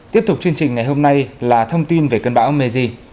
tiếp tục chương trình ngày hôm nay là thông tin về cơn bão meji